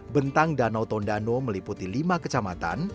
bentang danau tondano meliputi lima kecamatan